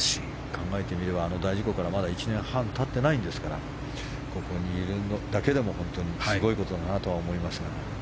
考えてみればあの大事故からまだ１年半経ってないんですからここにいるだけでもすごいことだなと思いますが。